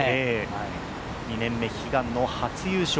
２年目、悲願の初優勝